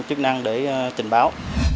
chức năng để trình báo